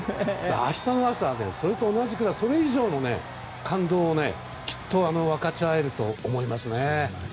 明日の朝、それと同じかそれ以上の感動をきっと分かち合えると思いますね。